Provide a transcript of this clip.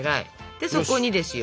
でそこにですよ